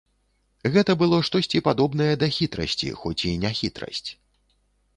Гэта было штосьці падобнае да хітрасці, хоць і не хітрасць.